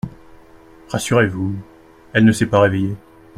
Rassurez-vous … elle ne s'est pas réveillée …